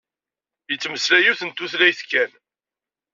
Yettmeslay yiwet n tutlayt kan.